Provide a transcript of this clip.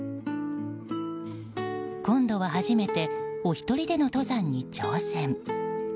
今度は初めてお一人での登山に挑戦。